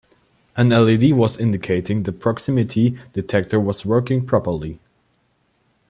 An LED was indicating the proximity detector was working properly.